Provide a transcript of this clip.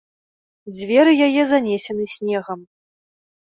Дзверы яе занесены снегам.